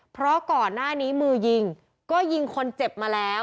เพราะก่อนหน้านี้มือยิงก็ยิงคนเจ็บมาแล้ว